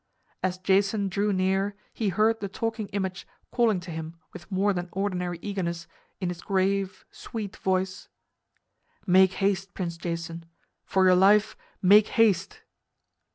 As Jason drew near he heard the Talking Image calling to him with more than ordinary eagerness, in its grave, sweet voice: "Make haste, Prince Jason! For your life, make haste!"